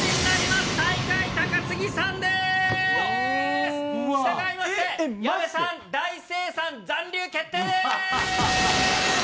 したがいまして、矢部さん、大精算、残留決定です！